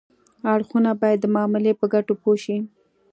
اړخونه باید د معاملې په ګټو پوه شي